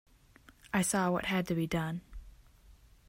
I saw what had to be done.